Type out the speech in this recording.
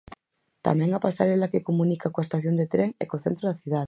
Tamén a pasarela que comunica coa estación de tren e co centro da cidade.